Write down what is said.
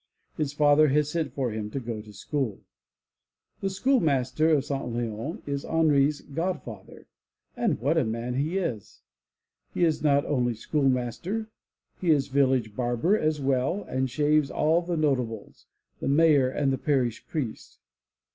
His father has sent for him to go to school. The schoolmaster of St. Leons is Henri's god father, and what a man he is! He is not only schoolmaster; he is village barber as well and shaves all the notables, the mayor and parish priest.